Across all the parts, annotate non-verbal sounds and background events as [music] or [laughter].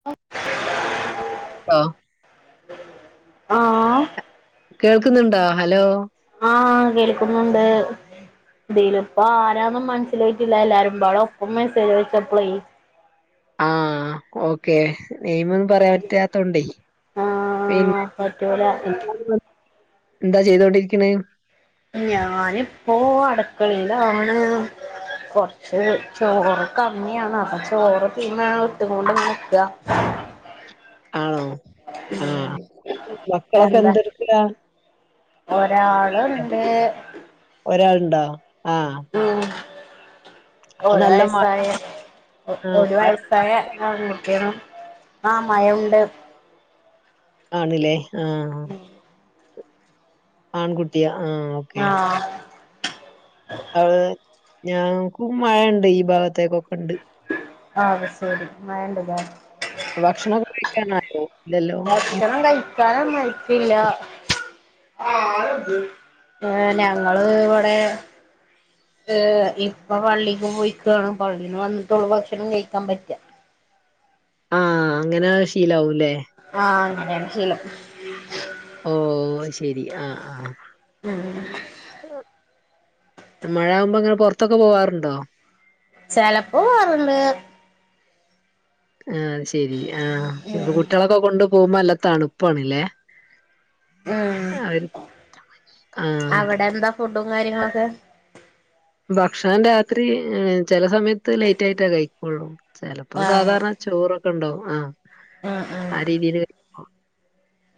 [unintelligible] ആഹ് ആഹ് കേൾക്കുന്നുണ്ടോ ഹലോ ആഹ് കേൾക്കുന്നുണ്ട് ഇതിൽ ഇപ്പ ആരാന്നും മനസ്സിലായിട്ടില്ല എല്ലാരുംമ്പാളും ഒപ്പം മെസ്സേജ് അയ ച്ചപ്പോളേ ആഹ് ഓക്കെ നെയമ പറയാൻ പറ്റാത്തോണ്ട ആഹ് പിന്നെ പറ്റൂല എന്താ ചെയ്തോണ്ടിരിക്കണേ ഞാനിപ്പോ അടക്കളയിലാണ് കൊറച്ച് കുറച്ച് ചോറ് കമ്മിയാണ് അപ്പൊ ചോറ് തിന്നാൻ ഇട്ട് കൊണ്ട് നികാ ആണോ ആഹ് ഉ മക്കളൊക്കെ എന്താ എന്തെടുക്കലാ ഒരാള്ണ്ട്. ഒരാളുണ്ടോ ആഹ് ഉ അത് ഒരു നല്ല മഴ വയസായ ആഹ് ഒരു മഴ വയസ്സ് ആയ ആൺകുട്ടി ആണ് ആ മഴ ഉണ്ട് ആണില്ലേ ആഹ് ആൺകുട്ടിയ ആ ആഹ് അവള് ഞങ്ങക്കും മഴുണ്ട് ഈ ഭാഗത്തേക്കൊക്കെ ഉണ്ട് അഹ് ശെരി മഴ ഉണ്ട് ല്ലേ ഭക്ഷണം കഴിക്കാനായൊ ഇല്ലല്ലോ കഴിക്കാൻ ഒന്നും ആയിട്ടില്ല ഏ ഞങ്ങള് ഇവിടെ ഇപ്പ പള്ളിക്ക് പോഴിക്കാണ് പള്ളീന്ന് വന്നിട്ട് ഒള്ളു ഭക്ഷണം കഴിക്കാൻ പറ്റാ ആഹ് അങ്ങനെ ശീലവുംല്ലേ ആഹ് അങ്ങനെയാണ് ശീലം ഓ ശരി ആഹ് ആഹ് ഉംഹ് മഴ ആകുമ്പോ അങ്ങനെ പൊറത്തൊക്കെ പോവാറുണ്ടോ ചിലപ്പോ പോവാറുണ്ട് ആഹ് ശെരി ആഹ് ഉം കുട്ടികളൊക്കെ കൊണ്ട് പോകുമ്പോ നല്ലാ തണുപ്പാണ്ല്ലേ ഉം അവര് ആഹ് അവിടെ എന്താ ഫുഡും കാര്യങ്ങളൊക്കെ ഭക്ഷണം രാത്രി ചില സമയത്ത് ലേറ്റ് ആയിട്ടാ കഴിക്കുള്ളൂ ചിലപ്പോ ആഹ് സാധാരണ ചോറൊക്കൊണ്ടോ ആഹ് ഉം ഉം ആഹ് രീതിയിൽ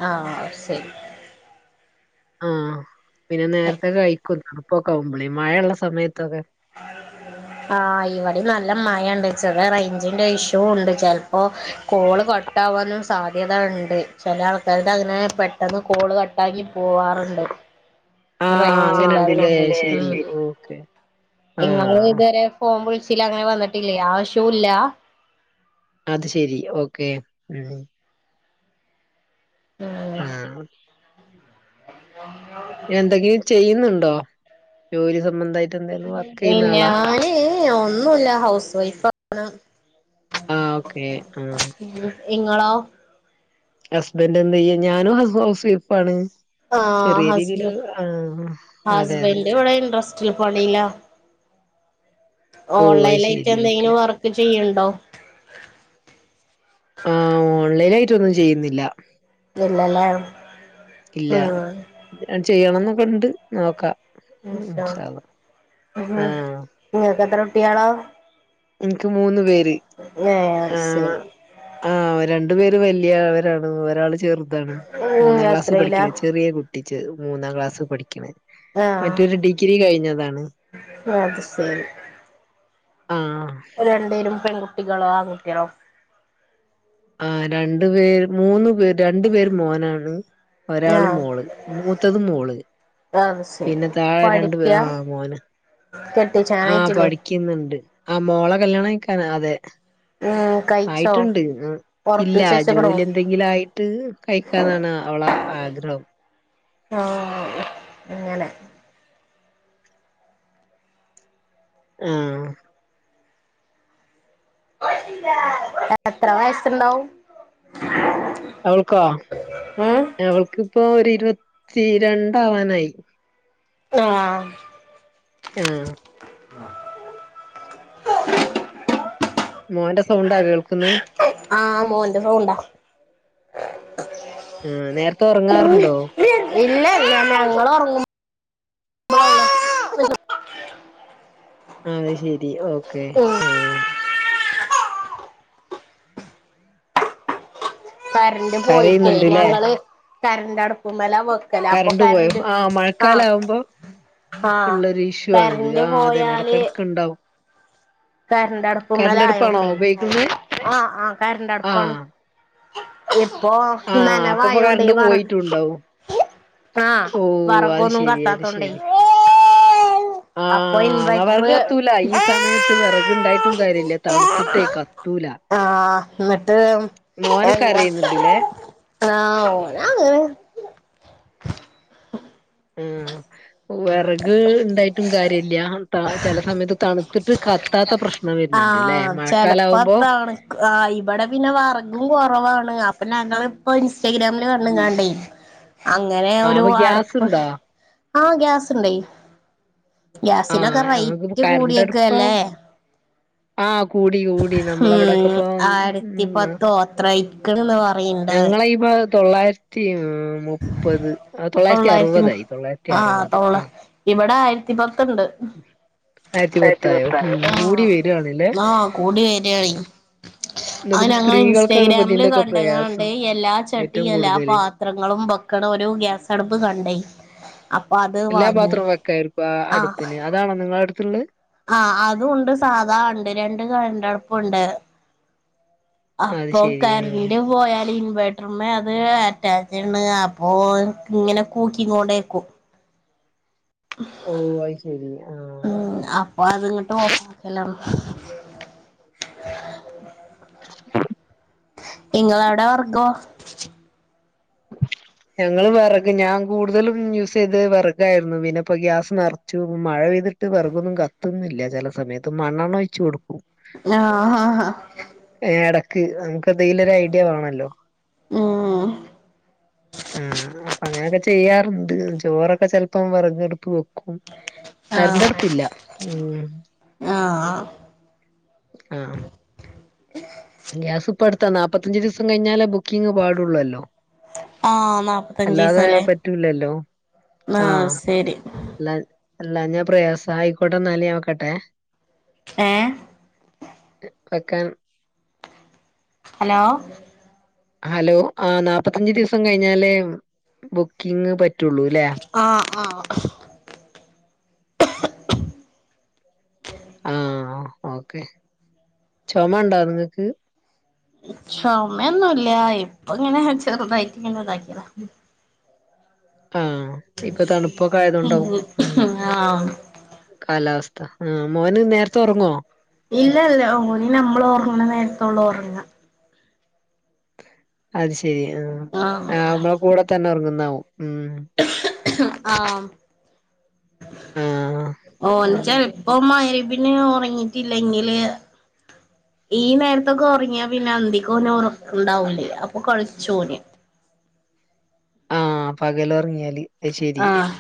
ആഹ് ശരി ആഹ് പിന്നെ നേരത്തെ കഴിക്കും തണുപ്പൊക്കെ അവുമ്പലെ മഴയുള്ള സമയത്ത് ഒകെ [unintelligible] ആഹ് ഇവിടെയും നല്ല മഴ ഇണ്ട് ചെറുങ്ങനെ റേഞ്ചിന്റെ ഇഷ്യൂ ഉണ്ട് ചെലപ്പോ കോള് കട്ടാവാനും സാധ്യത ഇണ്ട് ചില ആൾക്കാരുടെ അങ്ങനെ പെട്ടെന്ന് കോള് ക കഴിഞ്ഞ് പോവാറുണ്ട് ആഹ് റേഞ്ച് അങ്ങനെണ്ടില്ലേ ഇല്ലാത്തോണ്ടേ ശെരി ഓക്കെ നിങ്ങള് ആഹ് ഇതുവരെ ഫോം വിളിച്ചിലങ്ങനെ വന്നിട്ടില്ലേ ആഹ് ഇഷ്യുയില്ലാ അത് ശെരി ഓക്കെ ഉം ആഹ് എന്തെങ്കിലും ചെയ്യുന്നുണ്ടോ ജോലി സംബന്ധമായിട്ട്? ഞാന് ഒന്നുല്ല ഹൗസ് വൈഫാണ് ആഹ് ഓക്കെ ആഹ് ഇങ്ങളോ ഹസ്ബൻഡ് എന്ത്‌ ചെയ്യാ ഞാനും ഹൗസ് വൈഫാണ് ആഹ് ചെറിയ രീതിൽ ഹസ്ബ ആഹ് അതെ അതെ ഹസ്ബൻഡ് ഇവിടെ ഇൻറസ് എനിക്ക് പണില്ല ഓ അത് ഓൺലൈലായിട്ട് ശരി ഓക്കെ എന്തെങ്കിലും വർക്ക് ചെയ്യണ്ടോ ആഹ് ഓൺലൈയിട്ടൊന്നും ചെയ്യുന്നില്ല ഇല്ലല്ലേ ഉം ചെയ്യണന്നൊക്കെണ്ട് നോക്കാം ഇൻഷാ അള്ളാ അഹ് ആഹ് നിങ്ങക്കത്ര കുട്ടികളാ എനിക്ക് മൂന്ന് പേര് അത് ശരി ആഹ് ആഹ് രണ്ടു പേര് വലിയവരാണ് ഒരാൾ ചേറു താണ് ഉം മൂന്നാം ക്ലാസ് എത്രയിലാ പഠിക്കണ് ചെറിയ കുട്ടി മൂന്നാം ക്ലാസ് പഠിക്കണ് ആഹ് മറ്റൊര് ഡിഗ്രി കഴിഞ്ഞതാണ് അത് ശെരി ആഹ് അവര് രണ്ടെരും പെൺകുട്ടി ട്ടികളോ ആണ്കുട്ടികളോ ആഹ് രണ്ട് പേരും മൂന്നു പേരും രണ്ടു പേര് മോനാണ് ഒരാള് ആഹ് മോള് മൂത്തത് മോള് അത് പിന്നെ ശെരി താഴെ രണ്ട് പേ പഠിക്ക ആ മോന് കെട്ടിച്ചാനായിട്ടില്ലേ പടിക്ക്ന്നുണ്ട് ആഹ് മോളെ കല്യാണം കയിക്കാന് അതെ ഉം കഴിച്ചോ ആയിട്ടുണ്ട് ഇല്ല ഉറപ്പിച്ചെച്ച്ക്കണോ ജോലി എന്തെങ്കിലും ആയിട്ട് കഴിക്കനാണ് അവളെ ആഗ്രഹം ആഹ് അങ്ങനെ ആഹ് എത്ര വയസുണ്ടാവും അവൾക്കോ അവൾക്കിപ്പോ ഒരു ഇരുപത്തിരണ്ടാവാനായി ആഹ് ആഹ് [unintelligible] മോന്റെ സൗണ്ടാ കേൾക്കുന്നത് ആഹ് മോന്റെ സൗണ്ടാ ആഹ് നേരത്തെ ഉറങ്ങാറുണ്ടോ? ഇല്ലല്ലാ ഞങ്ങള് ഉറങ്ങും [inaudible] അഹ്ശെരി ഓക്കേ ഉം ആഹ് കരണ്ട് പോയിട്ടേ കരയുന്നുണ്ട്ല്ലേ ഞങ്ങള് കരണ്ട് അടുപ്പമ്മലാ വെ ക്കല് കരണ്ട് പോയോ അപ്പൊക്കരണ്ട് ആ മഴക്കാലം ആഹ് ആവുമ്പോ ആഹ് ഉള്ളൊരു ഇഷ്യൂ ആണിത് കരണ്ട് ആ അതന്നെ പോയാല് ഇടക്കിടക്ക് ഉണ്ടാവും കരണ്ടടുപ്പാണോ കരന്റടുപ്പുമലായോണ്ടേ ഉപയോഗിക്കുന്നത് ആഹ്, ആഹ് ആ കരന്റടുപ്പാണ്. ആഹ് അപ്പപ്പൊ നനവായോണ്ടേ കര്ണ്ട് വറക് പോയിറ്റുണ്ടാവും ആഹ് ഓഹ് അത് വറകൊന്നും ശെരി അത് കത്താത്തോണ്ടേ ശെരി അപ്പൊ ആഹ് ന്നാ വർക് ഇൻവെർട്ടറ് കത്തൂല ഈ സമയത്ത് വെറക്ണ്ടായി ട്ടും കാര്യല്ല തണുത്ത്ട്ടേ കത്തൂല ആഹ് എന്നിട്ട് എന്താ മോന്ക്കരയുന്നുണ്ട്ലേ ആഹ് ഓനങ്ങനെ ഉം വെറക്ണ്ടായിട്ടും കാര്യല്ല്യ താ ചെല സമയത്ത് തണ് ത്ത്ട്ട് കത്താത്ത പ്രശ്നം വര്ന്ണ്ട്ല്ലേ ആഹ് ചെലപ്പോ മഴക്കാലാവുമ്പോ തണുക്ക് ആഹ് ഇബടെ പിന്നെ വറകും കൊറവാണ് അപ്പൊ ഞങ്ങള് പ്പോ ഇൻസ്റ്റഗ്രാമില് കണ്ട്‌ങ്ങാണ്ടേ അങ്ങനെ ആഹ് ഒരു അപ്പൊ അടപ്പ് ഗ്യാസ്ണ്ടോ ആഹ് ഗ്യാസ്ണ്ടേയ് ഗ്യാസിനൊക്കെ ആഹ് നമുക്ക് റൈറ്റ് കരണ്ടടുപ്പം കൂടിയേക്കല്ലേ ആഹ് കൂടി കൂടി ഉം നമ്മളവിടൊക്കെപ്പൊ ഉം ആയിരത്തിപത്തോ അത്രയി ക്ക്ണ്ന്ന് പറയ്ണ്ട് തൊള്ളായിര്ത്തി ഉം മുപ്പത് ആഹ് തൊള്ളായിര്ത്തി തൊള്ളായിരത്തി അർവതായി തൊള്ളായിര്ത്തി അർവത് അഹ് ഇവടെ ആയിര്ത്തി പത്ത്ണ്ട് ആയിരത്തി പത്തായോ ബാറ്റികുത്താനോ ഉം കൂടി വരിയാണല്ലേ ന്നാ കൂടി വര്യായി ആഹ് നോക്കുമ്പോ ഞങ്ങള് സ്ത്രീകൾക്കാണ് ഇപ്പ ഇൻസ്റ്റഗ്രാമ് ല് ഇതിന്റെയൊക്കെ കണ്ട്ങ്ങാണ്ട് പ്രയാസം എല്ലാചട്ടീ ഏറ്റവും കൂടുതല് എല്ലാപാത്ര ങ്ങളും ബക്കണ ഒരു ഗ്യാസടുപ്പ് കണ്ടേ അപ്പൊ അത് വാങ്ങി. ഇപാ ആഹ് അടുപ്പിന് അതാണോ നിങ്ങളട്ത്ത്ള്ള്. ആഹ് അതൂണ്ട് സാധാ ഉണ്ട് രണ്ട് കരന്റട്പ്പുണ്ട് അത് അപ്പൊ ശെരി ആ കര്ന്റ് പോയാല് ഇൻവെ ട്രുമ്മെ അത് അറ്റാച്ച്ണ് അപ്പൊ ഇങ്ങനെ കൂക്കിങ്ങോണ്ടേക്കും. ഓ അത് ശെരി ആ ഉം അപ്പൊ അത്ങ്ങ്ട്ട് ഓഫാക്കലാണ്. ഇങ്ങളവടെ വർഗോ. ഞങ്ങള് വെറക് ഞാകൂടുതലും യൂസ് ചെയ്ത് വെറകാര്ന്നു പിന്നെ ഇപ്പ ഗ്യാസ് നറ ച്ചു മഴപെയ്തിട്ട് വെറകൊന്നും കത്തുന്നില്ല ചെല സമയത്ത് മണെണ്ണ ഒഴിച്ച് കൊടുക്കും. ഞാ ഹ ഹ ഏഹ് എടക്ക് നമുക്കെന്തേലൊരു ഐഡ്യ വാണല്ലോ. ഉം. ആഹ് അപ്പൊ അങ്ങനൊക്കെ ചെയ്യാറ്ണ്ട് ചോറൊക്കെ ചെൽപ്പം വെറകടുപ്പ് വെക്കും. ആഹ് കര്ന്റട്പ്പില്ല. ഉം ആഹ് ആഹ് ഗ്യാസ് ഇപ്പട്ത്താ നാപ്പത്തഞ്ച് ദിവസം കഴിഞ്ഞാലാ ബുക്കിംങ് പാടൊള്ളൊല്ലോ. ആഹ് അല്ലാതെ നാപ്പത്തഞ്ചീസല്ലേ പറ്റൂലല്ലോ ആഹ്. ന്നെരി. ല്ലൻ അല്ലാഞാപ്രയാസാ ഐക്കോട്ടെന്നാല് ഞാവെക്കട്ടേ. ഏഹ്. വെക്കൺ ഹലോ. ഹലോ ആഹ് നാപത്തഞ്ച് ദിവസം കഴിഞ്ഞാലേം ബുക്കിങ്ങ് പറ്റൊള്ളുലേ ആഹ് ആഹ്. ആഹ് ഓക്കെ ചൊമണ്ടോ നിക്ക്. ചൊമയൊന്നൂല്ലാ ഇപ്പൊയിങ്ങനെ ചെറുതായിട്ട് ഇങ്ങനെയിതാക്കിയതാ. ആഹ് ഇപ്പൊ തണുപ്പൊക്കെ ആയതോണ്ടാവും ഉം. ആഹ് കാലാവസ്ഥ ഉം മോന് നേരത്തെ ഒറങ്ങോ. ഇല്ലല്ല ഓന് നമ്മള് ഓറങ്ങ്ണ നേരത്തൊള്ളു ഓറങ്ങാ. അത്ശെരി ആഹ് ആഹ് നമ്മളെ കൂടെതന്നെ ഉറങ്ങുന്നതാവും ഉം. ആഹ് ആഹ് ഓന്ച്ചാ ഇപ്പൊ മഴയെ പിന്നെ ഉറങ്ങീട്ടില്ലെങ്കില് ഈ നേരത്തൊക്കെ ഒറങ്ങിയാ പിന്നെ അന്തിക്ക് ഓന് ഒറക്കൊണ്ടാവൂലേ അപ്പൊ കളിച്ചും ഓന്. പകല് ഒറങ്ങിയാല് ആഹ്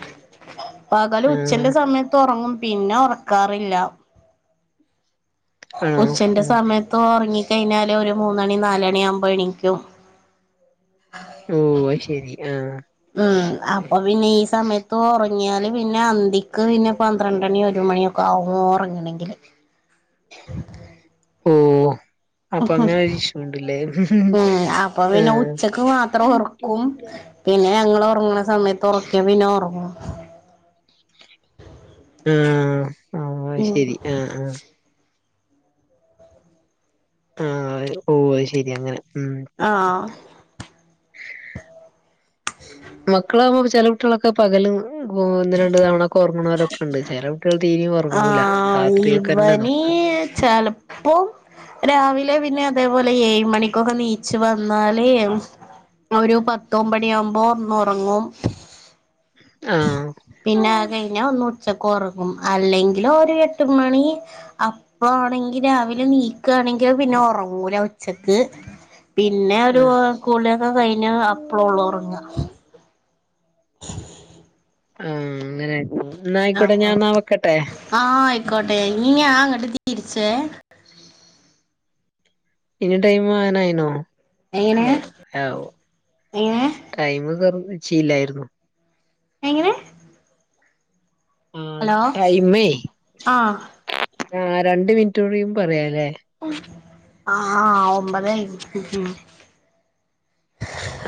പകല് ഉച്ചെന്റ ആഹ് സമയത്ത് ഒറങ്ങും പിന്നെ ഉറക്കാറില്ല ആണോ ഉച്ചെന്റെ ഉം സമയത്ത് ഒറങ്ങി കഴിഞ്ഞാല് ഒരു മൂന്നണി നാലണി ആവുമ്പൊ എണീക്കും ഓഹ് അഹ് ശരി ആഹ് ഉം അപ്പൊ പിന്നെ ഈ സമയത്ത് ഒറങ്ങിയാല് പിന്നെ അന്തിക്ക് പിന്നെ പന്ത്രണ്ടണി ഒരു മണിയൊ ക്കാവും ഒറങ്ങണെങ്കില് ഓഹ് അപ്പൊ അങ്ങനെയൊരു ഇഷ്യുഒണ്ടല്ലേ ഉം അപ്പൊ പിന്നെ ആഹ് ഉച്ചക്ക് മാത്രം ഒറക്കും പിന്നെ ഞങ്ങള് ഒറങ്ങണ സമയത്ത് ഒറക്കിയാ പിന്നെ ഒറങ്ങും ഉം ആഹ് അത് ഉം ശരി ആഹ് ആഹ് ആഹ് ഓഹ് അത് ശരി അങ്ങനെ ഉം ആഹ് മക്കളാ [unintelligible] കുട്ടികളൊക്കെ പകല് ഒന്ന് രണ്ട് തവണ ഒക്കെ ഒറങ്ങണവരൊക്ക ഒണ്ട് ചെല കുട്ടികൾ തീരെയും ഒറ ങ്ങൂല രാത്രിയേക്കന്നെ നിക്കും യ് ചെലപ്പോം രാവിലെ പിന്നെ അതേപോലെ ഏഴ് മണിക്കൊക്കെ എണീച്ച് വന്നാലേ ഒരു പത്തോ ഒമ്പണിയാവുമ്പോ ഒന്നൊറങ്ങും ആഹ് പിന്നെ അതുകഴിഞ്ഞാ ഒന്ന് ഉച്ചക്കൊറങ്ങും അല്ലെങ്കിലൊരു എട്ടുമണി. അപ്പൊ ആണെങ്കി രാവിലെ എണീക്കയാണെങ്കി അത് പിന്നെ ഒറങ്ങൂല ഉച്ചക്ക് പിന്നെ ഒരു ആഹ് കുളിയൊക്ക കഴിഞ്ഞാ അപ്പളൊള്ളൂ ഉറങ്ങ ആഹ് അങ്ങനെ ഉം എന്നാ ആയിക്കോട്ടെ ഞാൻ ന്നാ വെക്കട്ടെ? ആഹ് ആയിക്കോട്ടെ ഇനി ഞാൻ അങ്ങട്ട് തിരിച്ചേ ഇനി ടൈം ആനായിനോ എങ്ങനെ അല്ലെ ആവോ എങ്ങനെ ടൈമ് കൊ [unintelligible] നിശ്ചയില്ലായിരുന്നു. എങ്ങനെ ആഹ് ഹലോ ടൈമേ ആ ആ രണ്ട് മിനിറ്റ് കൂടി പറയാല്ലേ ആഹ് ഒമ്പതായി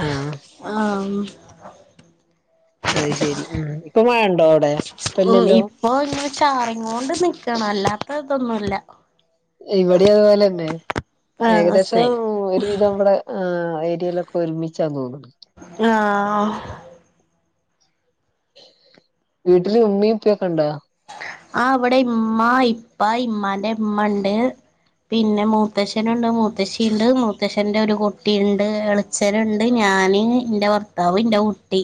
ആഹ് ആഹ് ഉം അത് ശെരി ഉം ഇപ്പം മഴ ഉണ്ടോ ഉം ഇപ്പൊ ഇങ്ങനെ ചാറിങ്ങോണ്ട് നിക്കണ് അല്ലാത്ത ഇതൊന്നുമില്ല ഇവിടെയും അതുപോലന്നെ ആ ഏകദേശം ശരി ഒരുവിധം ഇവടെ ആഹ് ഏരിയയിലൊക്കെ ഒരുമിച്ചാന്നു തോന്നണ്ട്. ആഹ് വീട്ടില് ഉമ്മയും ഉപ്പയൊക്കെ ഉണ്ടോ ആഹ് ഇവടെ ഇമ്മ ഇപ്പ ഇമ്മാന്റെ ഇമ്മ ഇണ്ട് പിന്നെ മൂത്തശ്ശനുണ്ട് മൂത്തശ്ശി ഇണ്ട് മൂത്തശ്ശന്റെ ഒരു കുട്ടിയുണ്ട് എള് അച്ഛനുണ്ട് ഞാന് ഇന്റെ ഭർത്താവ് ഇന്റെ കുട്ടി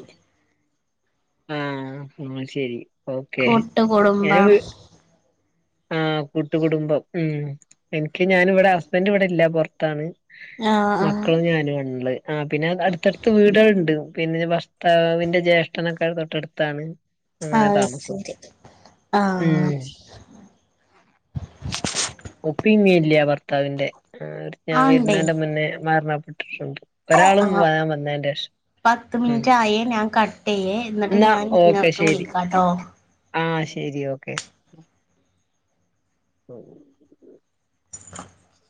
ആഹ് എന്നാ ശരി ഓക്കേ കൂട്ട് കുടുംബാണ് [unintelligible] ആഹ് കൂട്ട് കുടുംബം ഉം എനിക്ക് ഞാൻ ഇവിടെ ഹസ്ബന്റ് ഇവിടെ ഇല്ല പൊറത്താണ് ആഹ് മക്കളും ഞാനുവാ ഉള്ളെ ആഹ് പിന്നെ അടുത്തടുത്ത് വീടുകളുണ്ട് പിന്നെ ഭർത്താവിന്റെ ജ്യേഷ്ഠനൊക്കെ തൊട്ടടുത്താണ് ആഹ് അങ്ങനെ അത് താമസം ശരി ആഹ് ഉം ഉപ്പേം ഉമ്മേം ഇല്ല ഭർത്താവിന്റെ ഞാൻ ആണ്ടേ വരണേന് മുന്നേ മരണപ്പെ ഒരാള് ആഹ് [unintelligible] പത്ത് മിനിറ്റ് ആയേ ഞാൻ കട്ട് ചെയ്യേ എന്നിട്ട് ന്നാ ഞാൻ ഓക്കെ നിങ്ങൾക്ക് ശരി വിളിക്കാട്ടോ ആഹ് ശരി ഓക്കെ [unintelligible] [inaudible]